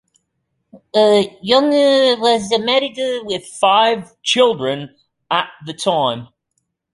Young was married with five children at the time.